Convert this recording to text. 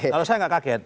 kalau saya tidak kaget